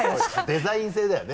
デザイン性だよね。